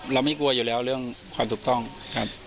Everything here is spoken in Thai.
ไม่กลัวอยู่แล้วเรื่องความถูกต้องครับ